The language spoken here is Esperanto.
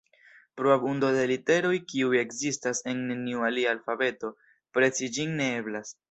Pro abundo de literoj, kiuj ekzistas en neniu alia alfabeto, presi ĝin ne eblas.